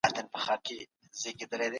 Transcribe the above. په دغي برخي کي ډېر خلک نسته.